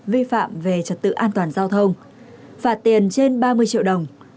vi phạm về trật tự an toàn giao thông phạt tiền trên ba mươi triệu đồng